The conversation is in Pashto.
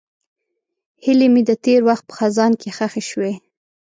هیلې مې د تېر وخت په خزان کې ښخې شوې.